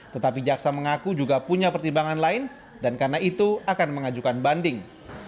tetapi jaksa mengaku juga punya pertimbangan lain dan karena itu akan mengajukan banding